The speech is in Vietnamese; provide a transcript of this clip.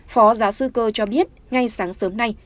phó giáo sư cơ cho biết ngay sáng sớm nay